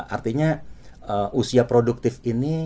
artinya usia produktif ini